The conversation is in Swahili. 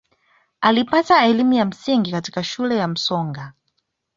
alipata elimu ya msingi katika shule ya msoga